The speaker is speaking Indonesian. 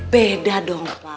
beda dong pak